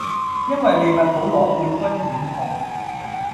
因為利物浦攞冠軍染紅